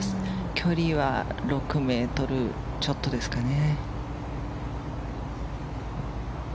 距離は、６ｍちょっとですかね。